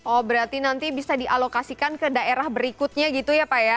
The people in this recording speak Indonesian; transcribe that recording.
oh berarti nanti bisa dialokasikan ke daerah berikutnya gitu ya pak ya